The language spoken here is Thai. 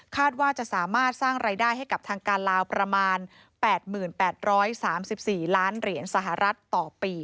ว่าจะสามารถสร้างรายได้ให้กับทางการลาวประมาณ๘๘๓๔ล้านเหรียญสหรัฐต่อปี